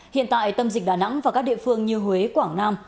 hiện tại tâm dịch đà nẵng và các địa phương như huế quảng nam